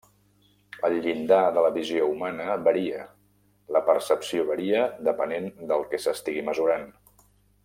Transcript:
El llindar de la visió humana varia, la percepció varia depenent del que s'estigui mesurant.